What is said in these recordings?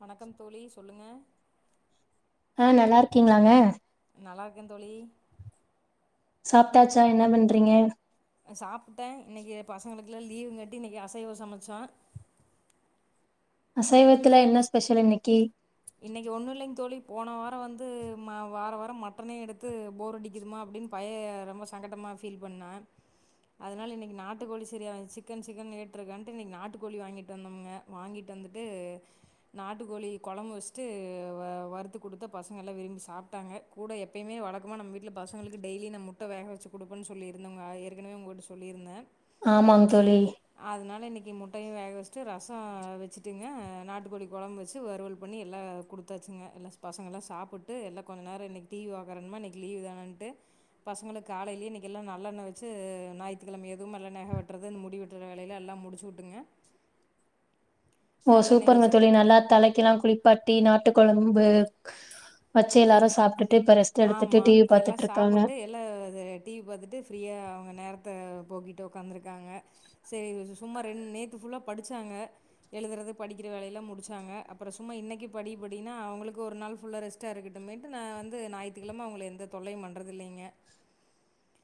வணக்கம் தோழி சொல்லுங்க ஆ நல்லா இருக்கீங்களாங்க நல்லாருக்கே தோழி சாப்ட்டாச்சா என்ன பண்றீங்க சாப்பிட்டே இன்னைக்கு பசங்களுக்குலா லீவுங்காட்டி இன்னைக்கு அசைவோ சமச்சோ அசைவத்துல என்ன ஸ்பெஷல் இன்னைக்கு இன்னைக்கு ஒன்னு இல்லைங் தோழி போன வாரம் வந்து ம வார வாரம் மட்டனே எடுத்து போர் அடிக்குதுமா அப்படின்னு பைய ரொம்ப சங்கட்டமா ஃபீல் பண்ணா அதனால இன்னைக்கு நாட்டுக்கோழி சரிய வந்துச்சி சிக்கன் சிக்கன்னு கேட்டுட்ருக்கான்ட்டு இன்னைக்கு நாட்டுக்கோழி வாங்கிட்டு வந்தோமுங்க வாங்கிட்டு வந்துட்டு நாட்டுக்கோழி கொழம்பு வச் ச்சுட்டு வறுத்து கொடுத்த பசங்க எல்லா விரும்பி சாப்ட்டாங்க கூட எப்பயுமே வழக்கம நம்ம வீட்ல பசங்களுக்கு டெய்லி நா முட்ட வேக வச்சு கொடுப்பேன்னு சொல்லியிருந்தேங்க ஏற்கனவே உங்ககிட்ட சொல்லியிருந்தே ஆமாங் தோழி முட்டையு வேக வச்சட்டு ரசம் வச்சுட்டுங்க நாட்டுக்கோழி கொழம்பு வச்சு வறுவல் பண்ணி எல்லா கொடுத்தாச்சுங்க எல்லா பசங்கல்லா சாப்பிட்டு எல்லா கொஞ்ச நேரம் இன்னைக்கு டி வி பாக்கறணுமா இன்னைக்கு லீவு தானன்ட்டு பசங்களுக்கு காலையிலேயே இன்னைக்கு எல்லா நல்லெண்ண வச்சு ஞாயித்துக்கிழமை அதுவுமா எல்லா நெக வெட்டுறது இந்த முடி வெட்டுற வேலையெல்லா எல்லா முடிச்சு வுட்டுங்க ஓ சூப்பர்ங்க தோழி நல்லா தலைக்கெல்லா குளிக் பட்டி நாட்டு கொழம்பு வச்சு எல்லாரு சாப்டிட் ஆமா எல்லா சாப்பிட்டு எல்லா டி வி பாத்துட்டு ஃப்ரீயா அவங்க நேரத்த போக்கிட் டு உக்காந்திருக்காங்க சரி சும்மா ரெண் நேத்து ஃபுல்லா படிச்சாங்க எழுதுறது படிக்கிற வேலையெல்லாம் முடிச்சாங்க அப்பறோ சும்மா இன்னைக்கு படி படினா அவங்களுக்கு ஒரு நாள் ஃபுல்லா ரெஸ்ட்டா இருக்கட்டுமேன்ட்டு நா வந் கு ஞாயித்துக்கெழம அவங்கள எந்த தொல்லையு பண்றது இல்லைங்க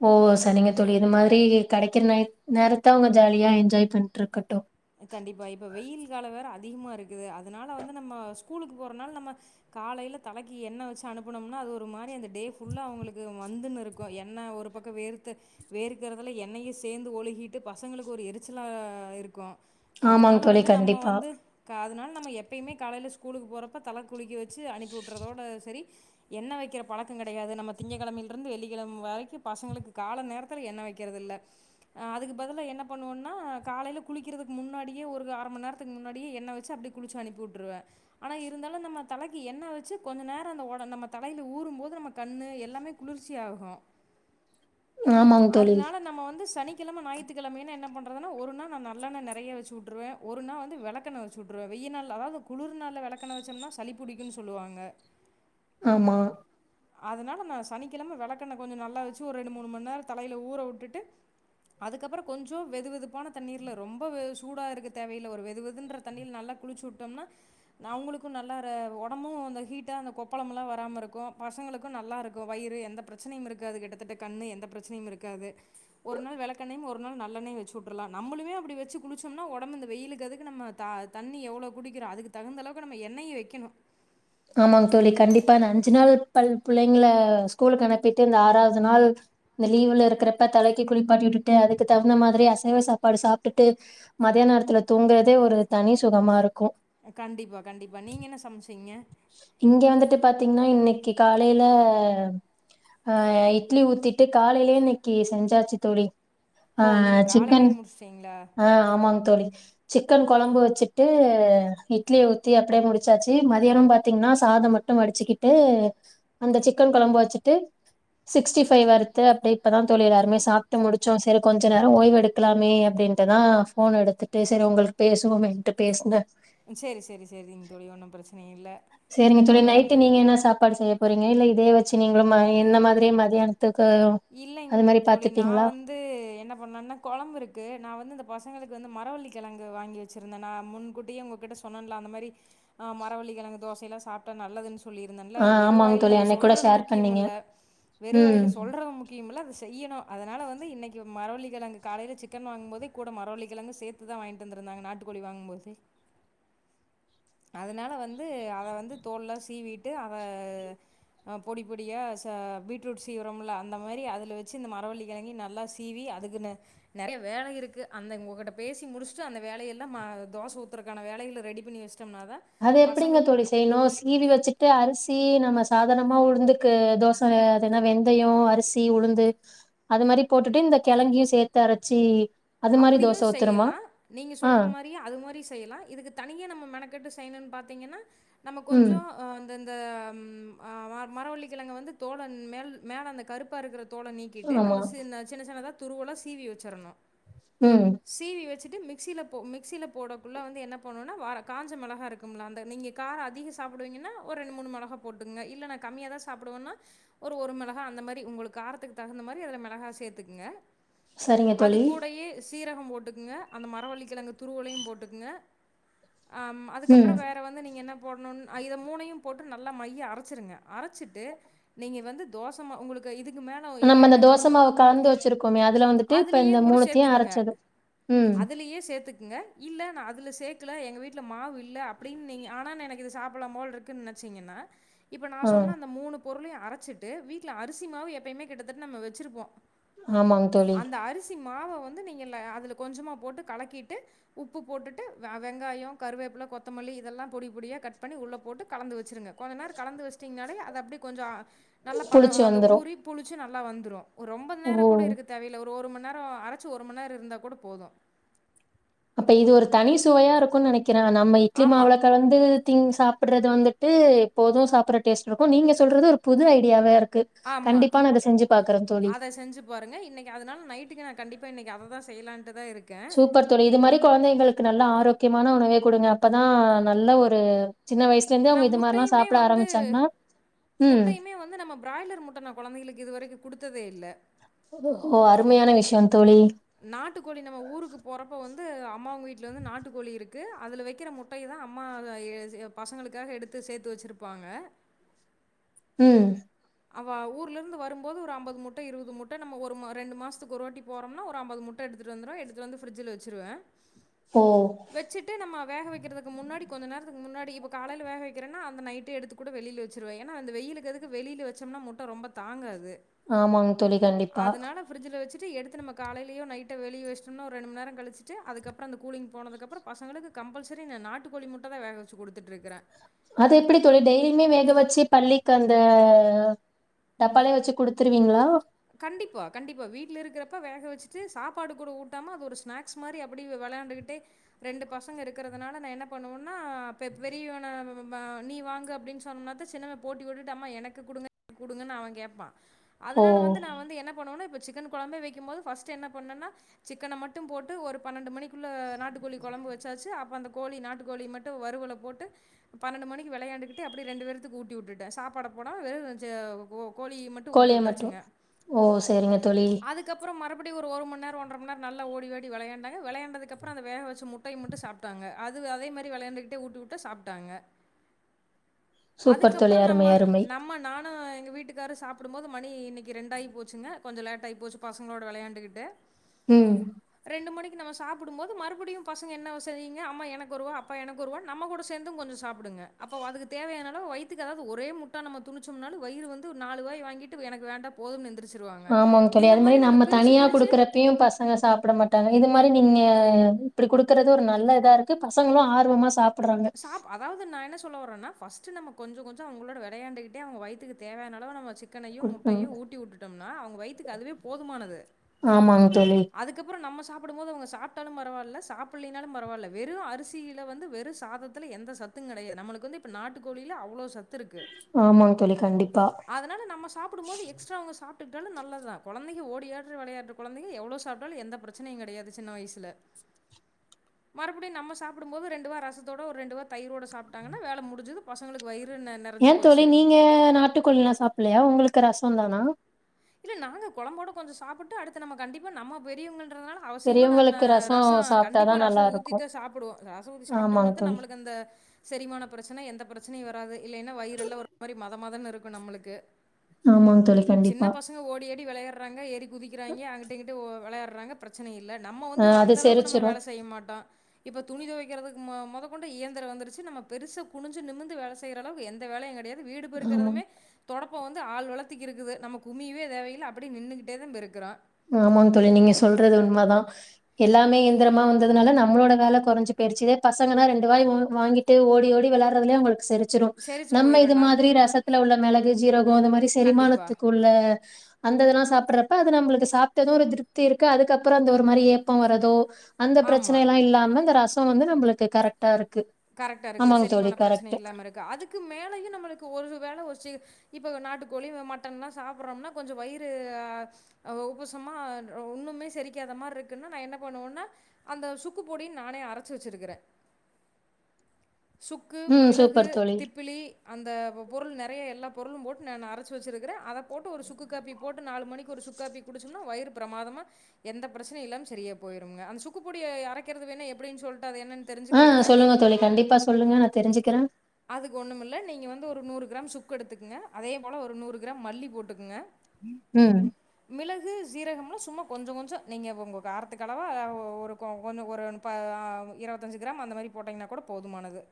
ஓ சரிங்க தோழி இது மாதிரி கெடைக்கிற நைட் நேரத்த அவங்க ஜாலியா என்ஜாய் பண்ட்டு இருக்கட்டும் கண்டிப்பா இப்ப வெயில் காலம் வேற அதிகமா இருக்குது அதனால வந்து நம்ம ஸ்கூலுக்கு போறனால நம்ம காலையில தலைக்கு எண்ணெ வச்சு அனுப்புனோம்னா அது ஒரு மாரி அந்த டே ஃபுல்லா அவங்களுக்கு வந்துன்னு இருக்கு எண்ணெ ஒரு பக்கம் வேர்த்து வேர்க்கறதுல எண்ணெயு சேந்து ஒழுகிட்டு பசங்களுக்கு ஒரு எரிச்சலா இருக்கு ஆமாங்க அதனால தோழி வந்து நம்ம கண்டிப்பா வந்து அதனால நம்ம எப்பயுமே காலல ஸ்கூலுக்கு போறப்ப தலை குளிக்கவச்சு அனுப்பி விட்டுறதோட சரி எண்ண வைக்கிற பழக்க கெடையாது திங்க கிழமை இருந்து வெள்ளிழமை வரை பசங்களுக்கு கால நேரத்தில் எண்ண வைக்கிறது அதுக்கு பதில என்ன பண்ண காலில குளிக் குக்கிறதுதுக்கு முன்னாடியே ஒரு அரை மணி நேரத்துக்கு முன்னாடியே எண்ணெய வச்சு அப்படி குளிச்சு அனுப்பி விட்டுருவே ஆனா இருந்தாலு நம்ம தலைக்கு எண்ணெய வச்சு கொஞ்ச நேர அந்த நம்ம தையில ஊறும்போது நம்ம கண்ணு எல்லாமே குளிர்ச்சி ஆகு ஆமாங்க தோழி அதனால நம்ம வந்து சனி கிழ ஞாயித்துக்கெழமை என்ன பண்றதுன்ன ஒரு நா நல்லெண்ண நெறைய வச்சுட்டுருவே ஒரு நாள் வந்து வெளக்கண்ண வச்சுட்டுருவே வெயல் நாள் அதாவது குளிர்நாள வெளக்கெண்ண வச்சோம்னா சளிபுடிக்கும்ன்னு சொல்லுவாங்க ஆமா அதனால நா சனிக்கிழம வெளக்கண்ண கொஞ்ச நல்லா வச்சு ஒரு ரெண்டு மூண் மண்நேர தலையில ஊற விட்டுட்டு அதுக்கப்புற கொஞ்சு வெது வெதுப்பான தண்ணீர்ல ரொம்ப வெ சூட இருக்கு தேவ இல்ல ஒரு வெது வெதுன்ற தண்ணில குளிசுவிடொம்ன அவங்களுக்கு நல்லா ஹிட்டா கொப்பளம் வரா இருக்கு பசங்கக்கும் நல்லா இருக்கு வயிறு எந்த பிரச்ச இருக்காது கிட்டதட்ட கண்ணு எந்த பிரச்னையு இருக்காது ஒரு நாள் வெளக்கென்னயு ஒரு நாள் நல்லண்ணச்சுலா வச்சுவுற்றளா நம்மளுமே அப்டி வச்சு குளிச்சோம்னா ஒடம்பு இந்த வெயிலுக்குறதுக்கு நம த தண்ணி எவ்வளவு குடிக்கிறோ அதுக்கு தகுந்தளவுக்கு நம்ம எண்ணெய்யு வைக்கணு ஆமாங்க தோழி கண்டிப்பா இந்த அஞ்சு நாள் பல் புள்ளைங்களை ஸ்கூல் அனுப்பிட்டு இந்த ஆறாவது நாள் இந்த லீவு்ல இருக்கிறப்ப தலைக்கு குளிப்பாட்டி விட்டுட்டு அதுக்கு தகுந்த மாதிரி அசைவ சாப்பாடு சாப்ட்டுட்டு மதியான நேரத்துல தூங்குறதே ஒரு தனி சுகமா இருக் கண்டிப்பா கண்டிப்பா நீங்க என்ன சமைச்சீங்க இங்க வந்துட்டு பா பா்த்தீங்கன்னா இன்னைக்கு காலையில அஹ் இட்லி ஊத்திட்டு காலையிலயே இன்னைக்கு செஞ்சாச்சு தோழி ஓ நீங்க ஆஹ் சிக்கன் காலையிலயே முடிச்சுட்டீங்களா ஆஹ் ஆமாங் தோழி சிக்கன் கொழம்பு வச்சு டு இட்லிய ஊத்தி அப்டியே முடிச்சாச்சு ம தாரம் பாத்தீங்கன்னா சாதம் மட்டு வடிச்சுக்கிட்டு அந்த சிக்கன் கொழம்பு வச்சுட்டு சிக்ஸ்டி ஃபைவ் வறுத்து அப்டி இப்பதா தோழி எல்லாருமே சாப்ட்டு முடிச்சசோ சரி கொஞ்ச நேர ஓய்வெடுக்கலாமே அப்டின்ட்டுதா போன் எடுத்துட்டு சரி உங்க பேசுவோமன்ட்டு பேசுனே சரி சரி சரிங்க தோழி ஒண்ணு பிரச்சனை இல்ல சரிங்க அப்புறோ தோழி வேற நைட் நீங்க என்ன சாப்பாடு செய்யப் புரிங்க இல்ல இதே வச்சு நீங்களு என்ன மாதிரியே மதியான இல்லைங் தோழி நான் வந்து என்ன பண்ணேனா கொழம்பு இருக்கு நா வந்து இந்த பசங்களுக்கு வந்து மரவள்ளி கெழங்கு வாங்கி வச்சிருந்தே நா முன்கூட்டியே உங்ககிட்ட சொன்னன்லா அந்த மாரி ஆஹ் மரவள்ளி கெழங்கு தோசை எல்லா சாப்ட்டா நல்லதுன்னு சொல்லியிருந்தேன்ல ஆ அது ஆமாங்க வெறுவாயில தோழி நம்ம அன்னைக்கு கூட சொல்றது ஷேர் முக்கியம் பண்ணீங்க இல்ல ம் வெறுவாயில சொல்ற மொதல அத செய்யணு அதனால வந்து இன்னைக்கு மரவள்ளிக்கிழங்கு காயில சிக்கன் வாங்கும் போதே கூட மரவள்ளிக்கிழங்கு சேத்துதா வாங்கிட்டு வந்திருந்தாங்க நாட்டுக்கோழி வாங்கும்போதே அதனால வந்து அதை வந்து தோல்லா சீவிட்டு அதை பொடி அ பொடியாக ச பீட்ரூட் சீவிறோம்ல அந்த மாரி அதில வச்சு இந்த மரவள்ளி கெழங்கியு நல்லா சீவி அதுக்கு நெறைய வேலை இருக்குது அந்த உகிட்ட பேசி முடிச்சுட்டு அந்த வேலையெல்லா தோசை ஊத்துறக்கான வேலைகளை ரெடி பண்ணி வச்சு அது எப்டிங்க தோழி செய்யணு சீவி வச்சுட்டு அரிசி நம்ம சாதானமா உளுந்துக்கு தோசை அது என்னா வெந்தயம் அரிசி உளுந்து அது மாரி போட்டுட்டு இந்த கெழங்கயு சேத்து அரைச்சி அப்படியு செய்யலா நீங்க ஆ சொல்ற மாரியே அது மாரியு செய்யலா இதுக்கு தனியா நம்ம மெனக்கெட்டு செஞ் செய்யனுன் பாத்தீங்கன்னா நம்ம ம் கொஞ்சோ அஹ் அந்தந் அந்த அம் ஆ மரவள்ளிக்கெழங்க வந்து தோல மேல் மேல அந்த கருப்பா இருக்கிறத தோலை நீக்கிட்டு ஆமா நம்ம சின்ன சின்ன சின்னதா துருவலா சீவி வச்சிறணு ம் சீவி வச்சிட் டு மிக்சில போ மிக்சில போடக்குள்ள வந்து என்ன பண்ணுன்னா வார காஞ்ச மிளகா இருக்கும்ல அந்த நீங்க கார அதிக சாப்பிடுவீங்கன்னா ஒரு ரெண்டு மூணு மிளகா போட்டுங்க இல்ல நா கம்மியா தா சாப்புடுவோன்னா ஒரு ஒரு மிளகா அந்த மாரி உங்களுக் காரத்துக்கு தகுந்த மாரி அதுல மிளகா சேர்த்துக்குங்க சரிங்க தோளி சீரகம் போட்டுகுங்க அந்த மரவள்ளிக்கிழங்கு துருவலையு போட்டுகுங்க ஆம் அதுக்கப்புற ம் வேற வந்து நீங்க என்ன போட்ணுன் அ இத மூணையு போட்டு நல்லா மைய அரைச்சிருங்க அரைச்சிட்டு நீங்க வந்து தோசமா உங்களுக்கு இதுக் நம்ம இந்த தோசமாவ கலந்து வச்சிருக்கோமே அதுல வந்துட்டு இப்ப இந்த மூணுத்தையு அரைச் அ அதுலேயே சேர்த்துக்கங்க இல்ல நா அதுல சேக்கல எங்க வீட்டுல மாவு இல்ல அப்படின் நீங்க ஆன நெனக்கு இது சாப்பிடலா போல இருக்குன் நெனச்சீங்கன்னா இப்ப நா ஆ சொன்ன அந்த மூணு பொருளையு அரைச்சிட்டு வீட்ல அரிசி மாவு எப்பயுமே கிட்டதட்ட நம்ம வெச்சிருப்போ ஆமாங் தோளி மாவ வந் து நீங்கில்ல அதுல கொஞ்சமா போட்டு கலக்கீட்டு உப்பு போட்டுட்டு வெங்காய கருவேப்பில கொத்தமல்லி இதெல்லா பொடி பொடியாக கட் பண்ணி உள்ளே போட்டு கலந்து வச்சுருங்க கொஞ்சு நேர கலந்து வச்சிடீங்னாலே அது அப்டி கொஞ்சோ அ நல்ல பத புளிச்சு அந்த வந்துரு ஊரி புளிச்சு நல் நல்லா வந்துரு ஒர் ரொம்ப நேர ஓ கூட இருக்க தேவையில்ல ஒரு ஒரு ஒரு மண் நேரோ அரச் சு ஒரு மணிநேர இருந்தா கூட போது அப்ப இது ஒரு தனி சுவையா இருக்குனு நெனக் கிற நம்ம இட்லி ஆமா, மாவுல கலந்து திங் சாப்ட்றது வந்துட்டு எப்போது சாப்பட்ற டேஸ்ட் இருக்கு நீங்க சொல்றது ஒரு புது ஐடியாவே இருக் ஆமா அத செஞ்சு பாருங்க இன்னைக்கு அதனால நைட்டுக்கு நா கண்டிப்பா இன்னைக்கு அததா செய்யலான்ட் சூப்பர் தோழி இது மாரி கொழந்தைகளுக்கு நல்ல ஆரோக் கியமான உணவே குடுங்க அப்பதா நல்ல ஒரு சின்ன வயசுல இருந்தே நா அவங்க இது மாரிலா முட்டையுமே சாப்ட வந்து ஆரம்பிச்சாங்கன்னா ம் முட்டையுமே வந்து நம்ம பிராய்லர் முட்டை நா கொழந்தைகளுக்கு இதுவரைக்கு குடுத்ததே இல்ல ஓ அருமையான விஷயம் தோழி நாட்டுக்கோளி நம்ம ஊருக்கு போறப்ப வந்து வந்து அம்மாவுங்க வீட்டில் வந்து நாட்டுக்கோளி இருக்கு அதில வெக்கிற முட்டைய தா அம்மா பசங்களுக்காக எடுத்து சேத்து வச்சருப்பாங்க உம் அவ ஊர்ல இருந்து வரும்போது ஒரு ஐம்பது முட்டை இருபது முட்டை நம்ம ஒரு ரெண்டு மாதத்துக்கு ஒரு வாட்டி போறம்னா ஒரு ஐம்பது முட்டை எடுத்துட்டு வந்துருவேன் எடுத்துட்டுவந்து ஃப்ரிஜில வச்சுருவே ஓ வெச்சுட்டு நம்ம வேக வைக்கிறதுக்கு முன்னாடி கொஞ்சோ நேரத்துக்கு முன்னாடி இப்ப காலைல வேகவைக்கிறனா அந்த நைட்டே எடுத்து கூட வெளில வெச்சுடுவேன் ஏன்னா அந்த வெயிலுக்கு அதுக்கு வெளில வெச் ச்சோம்னா முட்ட ரொம்ப தாங்காது ஆமாங்க தோழி கண்டிப்பா வ எடுத்து நம்ம காலையிலயோ நைட்டை வெளியேவச்சுட்ணோம்னாஓரு ரெண்டுமண்நேரம் கழிச்சிட்டு அதுக்கப்புறோ அந்த கூலி்ங் போனதுக்கப்புற பசங்குளுக்கு கம்பல்சரி ந நாட்டுக்கோழி முட்டதா வேகவெச்ச குடுத்துட்டுருக்கே அது எப்படி தோழி டெய்லியுமே வேக வெச்சு பள்ளிக்கு அந்த அ டப்பாலைய வெச்சு குடுத்துருவீங்களா கண்டிப்பா கண்டிப்பா வீட்ல இருக்கிறப்ப வேக வெச்சுட்டு சாப்பாடு கூட ஊட்டாம அது ஒரு ஸ்நாக்ஸ் மாரி அப்டி வெளையாண்டுக்கிட்டே ரெண்டு பசங்க இருக்குறதுனால நா என்ன பண்ணுவேனா பெ பெரியவன வ வ நீ வாங்கு அப்டின்னு சொன்னோத சின்னவ போட்டிபோட்டுட்டுஅம்மா எனக்கு குடுங்க எனக்கு குடுங்கனு அவ கேப்பா ஓ அதனால வந்து இது நா வந்து என்ன பண்ணுவனா இப்ப சிக்கன் கொழம்பே வெக்கும் போது ஃபஸ்ட்டு என்ன பண்ணுன்னா சிக்கன மட்டு போட்டு ஒரு பன்னெண்டு மணிக்குள்ளே நாட்டு கோழி கொழம்பு வெச்சாச்சு அப்போ அந்த கோழி நாட்டுக்கோழி மட்டு வருவல போட்டு பன்னெண்டு மணிக்கு வெளையாண்டுக்கிட்டே அப்டியே ரெண்டு பேரத்துக்கு ஊட்டி விட்டுவிட்டே சாப்பாடு போடாம வெறும் கொ கோழி மட்டும் ஊட்டி கோழிய மட்டும் வுட்டாச்சுங்க ஓ சரிங்க தோழி அதுக்கப்புறோ மறுபடியு ஒரு ஒரு மணி நேரோ ஒன்றரைமண்ணேரோ நல்ல ஓடிஓடி வெளையாண்டாங்க வெளையாண்டதுக்கப்பறோ அந்த வேக வெச்ச முட்டைய மட்டு சாப்டாங்க அது அதே மாரி வெளையாண்டுகிட்டே ஊட்டி விட்டா சாப்ட்டாங்க சூப்பர் தோழி அதுக்கப்புறோ அருமை நம்ம அருமை நம்ம நானும் எங்க வீட்டுக்காரும் சாப்ப போடும் போது மணி இன்னிக் ரெண்டாகி போச்சுங்ககொஞ்சோ லேட் ஆகி போச்சு பசங்களோட வெளையாண்டுகிட்டு ம் நம்ம சாப்பிடும்போது மறுபடியும் பசங்க என்னசெய்ங்க அம்மா எனக்கு ஒருவ அப்ப எனக்கு ஒருவ நம்ம கூட சேந்த கொஞ்சோ சாப் புடுங்க அப்போ அதுக்கு தேவையான வயித்துக்கு அதாவது ஒரே முட்டா நம்ம துணிச்சோம்னா வயிறுவந்து நாலு வாய் வாங்கிட்டு எனக்கு வேண்டா போதும்னு எந்த்ரிச் ஆமாங்க தோழி அது மாரி நம்ம தனியா பிரிச்சு குடுக்குறப்பையும் பசங்க சாப்பிட மாட்டாங்க இது மாரி நீங்க ஹ் இப்புடி குடுக்கறது ஒரு நல்லா இதா இருக்கு பசங்களோ ஆர்வமா சாப் சாப் அதாவது நான் என்ன சொல்ல வறேன்னா ஃப்ர்ஸ்ட் ஃப்ரஸ்ட் நம்ம கொஞ்சோ கொஞ்சோ அவுங்களோட வெளையாண்டுகிட்டே அவுங்க வயத்துக்கு தேவயானளவு நம்ம வெச் சிக்கனையும் குடுக்கணும் முட்டையும் ஊட்டி விட்டுட்டோம்னா அவுங்க வயத்துக்கு அதுவே போதுமானது ஆமாங்க தோழி அதுக்கப்புறோ நம்ம சொ சாப்பிடும்போது அவுங்க சாப்பிட்டாலும் பரவாயில்ல சாப்லைனாலும் பரவாயில்ல வெறும் அரிசியில வந்து வெறு சாதத்துல எந்த சத்தூம் கிடையாது நம்மளுக்கு வந்து இப்ப நாட்டு கோழியில அவ்வளவு சத்து துஇருக்கு ஆமாங்க தோழி கண்டிப்பா அதனால நம்ம சாப்பிடும்போது எக்ஸ்ட்ரா அவுங்க சாப் விட்டுட்டாலும் நல்லதுதா கொழந்தைங்க ஓடி ஆடி வெளையாடுற கொழந்தைங்க எவ்ளோ சாப்டாலோ எந்த பிரச்சனையோ கெடையாது சின்ன வயசுல மறுபடியு நம்ம சாப்பிடும்போது ரெண்டு வா ரசத் தோட ஒரு ரெண்டு வா தயிரோடு சாப்பிட்டாங்க வேல முடிஞ்சது பசங்களுக்கு வயிறு நெ நெறஞ்சு ஏன் போச்சு. தோழி நீங்க நாட்டுக்கோழி எல்லாம் சாப்பிடலையா உங்களுக்கு ரச சொன்ன னா இல்ல நாங்க கொழம்போட கொஞ்சோ சாப்புட்டு அடுத்து நம்ம கண்டிப்பா நம்ம பெரியவங்க இருக்குறதுநாள அவசியமா நான் பெரியவங்களுக்கு ரசோ சாப்ட்டாதா கண்டிப்பா ரசோ நல்லா இருக்கு ஊத்திதா சாப்பிடுவோ ரசோ ஊத்தி ஆமாங் சாப்டோதா தோழி நம்மளுக்கு அந்த சேரிமான பிரச்சன எந்த பிரச்சன பிரச்சனை வராது இல்லைன்னா வயிறு எல்லாம் ஒரு மாதிரி மத மதன்னு இருக்கு நம்மளுக்கு ஆமாங்க தோழி சின்ன கண்டிப்பா பசங்க ஓடியாடி விளயாட் ரங்கா எரி குதிக்கிறாங்க அங்கிட்டு இங்கிட்டு விளையாற றாங்க பிரச்சனையி ல்ல நம்ம அ வந்து அது அந்த அளவுக்கு நம்ம செரிச்சிரு வேலை செய்ய மாட்டோம் இப்ப துணி துவைக்கிறதுக்கு மொத கொண்டு இயந்திர வந்துருச்சு நம்ம பெருசு குனிஞ்சு நிமிந்து வேலை செய்யற அளவுக்கு எந்த வேலையும் கிடையாது வீடு ஆமாங் பெறுக்கிறதுமே தொடப்பம் வந்து ஆள் வளத் திக் இருக்குது நமக்கு குமியவே தேவையில்ல அப்படியே நின்னுகிட்டே தான் பெருக்குரோ ஆமாங் தோழி நீங்க சொல்றது உண்ம தான் எல்லாமே இயந்திரமா வந்ததுனால நம்மளோட வேலை கொரஞ்சி போயிறுச்சி பசங்கன்னா ரெண்டு வாய் வாங்கிட்டு ஓடி ஓடி விளாடுறதுலயே அவங்களுக்கு செரிச் ச்சிரும் செரிச்சு நம்ம இது போயிரும் நாம் மாதிரி ரசத்துல உள்ள மிளகு ஜீரகம் அந்த மாதிரி கண்டிப்பா. செரிமானத்துக்கு உள்ள அந்த இதெல்லாம் சாப்பிடறப்ப அது நமளுக்கு சாப்பிட்டதும் ஒரு திருப்தி இருக்கு அதுக்கப்புறம் அந்த ஒரு மாதிரி ஏப்பம் வரதோ அந்த ஆமா. பிரச்சனை எல்லாம் இல்லாம இந்த ரசம் அப்ப வந்து நம்மளுக்கு கரெக்டா இருக் கரெக்டா இருக்கு செரிமான பிரச்சனை இல்லாம இருக்கு அதுக்கு மேலயும் நம்மளுக்கு ஒரு வேளை ஒரு சி இப்ப நாட்டுக்கோழி மட்டன் எல்லாம் சாப்பிடுறோம்னா கொஞ்சம் வயிறுஹ உபசமா ஒண்ணுமே செரிக்காத மாதிரி இருக்குன்னா நான் என்ன பண்ணுவோம்னா அந்த சுக்கு பொடின்னு நானே அரைச்சு வச்சிருக்கிறேன் சுக்கு ம் மிளகு சூப்பர் தோழி திப்பளி அந்த பொருள் நேத் முன்னாடியே எல்லா பொருளும் போட்டு நான் அரைச்சு வச்சிருக்கேன் அதை போட்டு ஒரு சுக்கு காப்பி போட்டு நாலு மணிக்கு ஒரு சுக்காப்பி குடுச்சனா வயிறு பிரமாதமா எந்த பிரச்சனை இல்லாம சரியா போயிருங்க அந்த சுக்குப்பொடிய அறக்கிறது வேணா எப்படின்னு சொல் அது என்னன்னு ஆ தெரிஞ்சுக்கிறீங்களா சொல்லுங்க நீங்களு தோழி கண்டிப்பா சொல்லுங்க நான் தெரிஞ்சுக்கிறேன் அதுக்கு ஒன்றுமில்ல நீங்கள் வந்து ஒரு நூறு கிராம் சுக்கு எடுத்துக்குங்க அதே போல ஒரு நூறு கிராம் மல்லி போட்டுக்குங்க உம் சீரகம்லும் சும்மா கொஞ்சம் கொஞ்சம் நீங்க உங்க காரத்துக்கு அளவா ஒரு கொ கொஞ்சம் ஒரு இருபத்தஞ்சி கிராம் அந்த மாதிரி போட்டிங்கன்னா கூட போதுமானது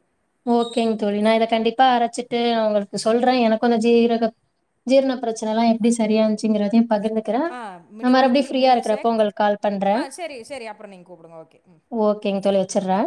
ஓகேங்க தோழி நான் இத கண்டிப்பா அரைச்சிட்டு உங்களுக்கு சொல்றேன் எனக்கு அந்த ஜீரக ஜீரண பிரச்சனை எல்லாம் எப்படி சரியாச்சுங்கிறதையும் பகிர்ந்துக்கறேன் ஆ நான் நீங்கள் வந்து மறுபடியும் ஃபிரியா இதில் சே இருக்கறப்போ உங்களுக்கு கால் ஆ பண்றேன் சரி சரி அப்புறம் நீங்கள் கூப்பிடுங்க ஓகே ம் ஓகேங்க தோழி வச்சறே